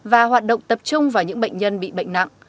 và hoạt động tập trung vào những bệnh nhân bị bệnh nặng